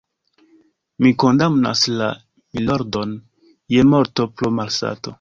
Mi kondamnas la _milordon_ je morto pro malsato.